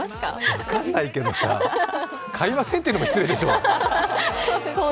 分かんないけどさ、買いませんっていうのも失礼でしょ。